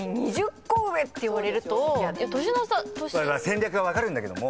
戦略は分かるんだけども。